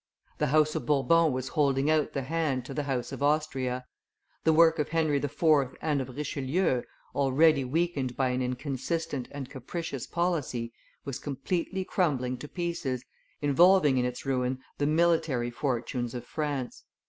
The house of Bourbon was holding out the hand to the house of Austria; the work of Henry IV. and of Richelieu, already weakened by an inconsistent and capricious policy, was completely crumbling to pieces, involving in its ruin the military fortunes of France.